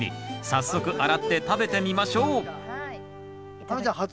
早速洗って食べてみましょう亜美ちゃん初？